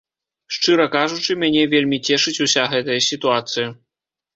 Шчыра кажучы, мяне вельмі цешыць уся гэтая сітуацыя.